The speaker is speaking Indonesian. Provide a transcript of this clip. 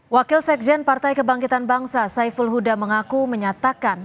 wakil sekjen partai kebangkitan bangsa saiful huda mengaku menyatakan